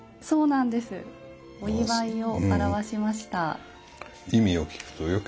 そうなんですはい。